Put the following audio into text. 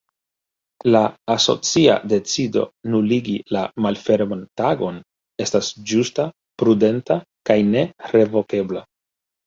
La asocia decido nuligi la Malferman Tagon estas ĝusta, prudenta kaj ne-revokebla.